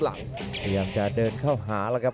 ส่วนหน้านั้นอยู่ที่เลด้านะครับ